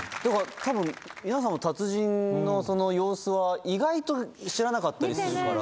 多分皆さんも達人の様子は意外と知らなかったりするから。